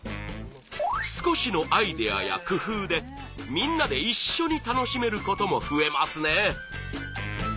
少しのアイデアや工夫でみんなで一緒に楽しめることも増えますね。